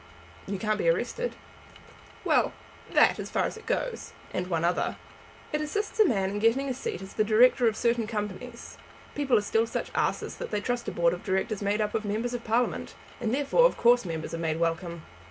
"You can't be arrested." "Well; that, as far as it goes; and one other. It assists a man in getting a seat as the director of certain Companies. People are still such asses that they trust a Board of Directors made up of members of Parliament, and therefore of course members are made welcome.